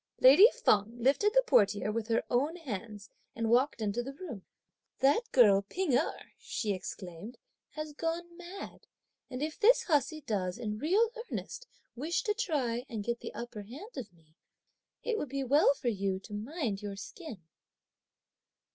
Lady Feng lifted the portiere with her own hands, and walked into the room. "That girl P'ing Erh," she exclaimed, "has gone mad, and if this hussey does in real earnest wish to try and get the upper hand of me, it would be well for you to mind your skin."